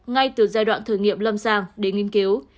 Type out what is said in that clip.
ngay từ giai đoạn thử nghiệm lâm sàng đến nghiên cứu